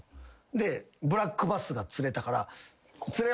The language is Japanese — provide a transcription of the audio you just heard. でブラックバスが釣れたから釣れました！